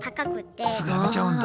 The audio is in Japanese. すぐ辞めちゃうんだ。